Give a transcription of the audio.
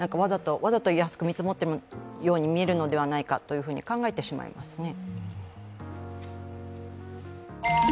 わざと安く見積もっているように見えるのではないかと考えてしまいますね。